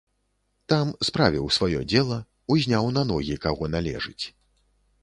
Там справіў сваё дзела, узняў на ногі каго належыць.